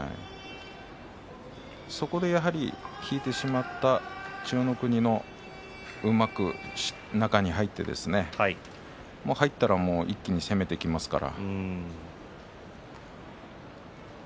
そこで、やはり引いてしまった千代の国のうまく中に入って入ったら、もう一気に攻めてきますから。